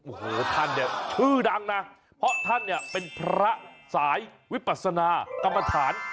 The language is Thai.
โอ้โหท่านเนี่ยชื่อดังนะเพราะท่านเนี่ยเป็นพระสายวิปัสนากรรมฐาน